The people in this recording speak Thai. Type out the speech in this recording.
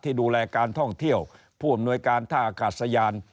ดูแลการท่องเที่ยวผู้อำนวยการท่าอากาศยาน